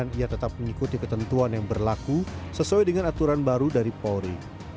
dan ia tetap mengikuti ketentuan yang berlaku sesuai dengan aturan baru dari polri